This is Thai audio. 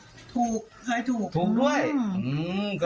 ถูกเคยถูก